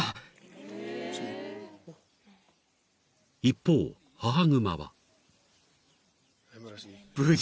［一方母グマは］